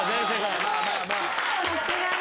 さすがに。